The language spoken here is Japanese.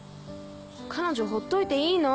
彼女ほっといていいの？